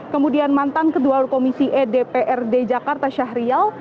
kemudian mantan ketua komisi e dprd jakarta syahrial